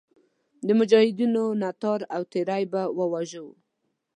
د مجاهدینو ناتار او تېری به وژاړو.